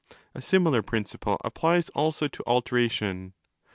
A similar principle applies also to 'alteration'.